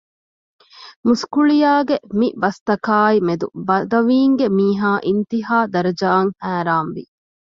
މުސްކުޅިޔާގެ މި ބަސްތަކާއި މެދު ބަދަވީންގެ މީހާ އިންތީހާ ދަރަޖައަށް ހައިރާންވި